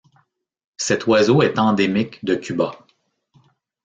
Cet oiseau est endémique de Cuba.